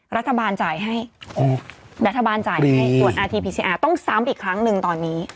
รัฐบาลจ่ายให้โอ้รัฐบาลจ่ายให้ตรวจต้องซ้ำอีกครั้งหนึ่งตอนนี้